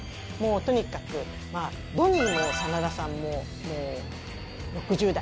とにかくドニーも真田さんも６０代